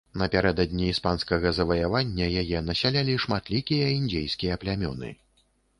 Напярэдадні іспанскага заваявання яе насялялі шматлікія індзейскія плямёны.